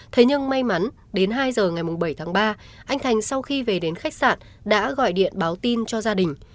thế nhưng may mắn đến hai giờ ngày bảy tháng ba anh thành sau khi về đến khách sạn đã gọi điện báo tin cho gia đình